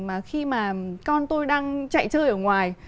mà khi mà con tôi đang chạy chơi ở ngoài